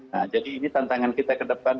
nah jadi ini tantangan kita ke depan